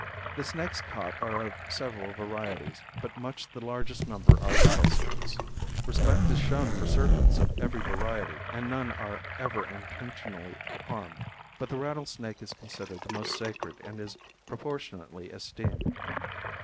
The snakes caught are of several varieties, but much the largest number are rattlesnakes. Respect is shown for serpents of every variety and none are ever intentionally harmed, but the rattlesnake is considered the most sacred and is proportionately esteemed.